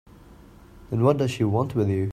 Then what does she want with you?